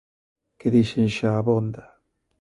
Que dixen xa abonda.